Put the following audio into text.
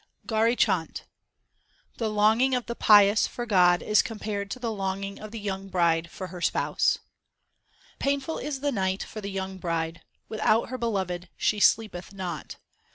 GAURI CHHANT The longing of the pious for God is compared to the longing of the young bride for her spouse : Painful is the night for the young bride ; without her Beloved she sleepeth not.